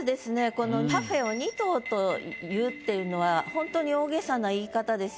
このパフェを二塔と言うっていうのは本当に大げさな言い方ですよね